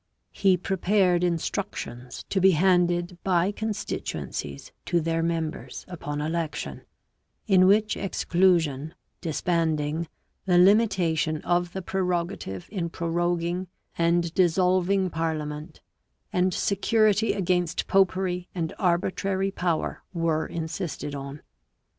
He prepared instructions to be handed by constituencies to theii SHAFTESBURY, 3 rd EARL GF 763 members upon election, in which exclusion, disbanding, the limitation of the prerogative in proroguing and dissolving parliament, and security against popery and arbitrary power were insisted on.